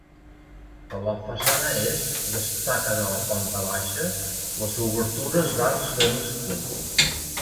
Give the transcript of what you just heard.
De la façana est destaquen, a la planta baixa, les obertures d'arcs de mig punt.